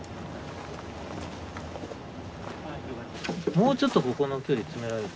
もうちょっとここの距離詰められる？